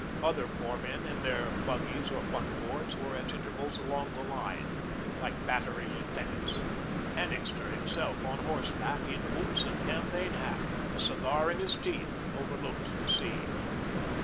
Other foremen, in their buggies or buckboards, were at intervals along the line, like battery lieutenants. Annixter himself, on horseback, in boots and campaign hat, a cigar in his teeth, overlooked the scene.